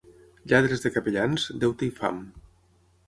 Lladres de capellans, deute i fam.